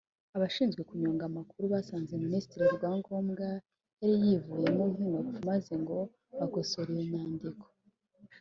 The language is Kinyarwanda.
abashinzwe kunyonga amakuru basanze Ministre Rwangombwa yari yivuyemo nk’inopfu maze ngo ”bakosora iyo nyandiko”